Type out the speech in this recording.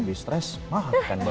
abis stress makan banget